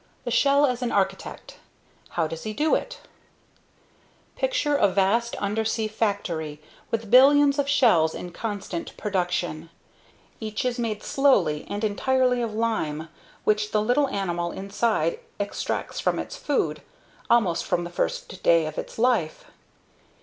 THE SHELL AS AN ARCHITECT. . .HOW DOES HE DO IT? Picture a vast undersea factory with billions of shells in constant production. Each is made slowly and entirely of lime which the little animal inside extracts from its food, almost from the first day of its life.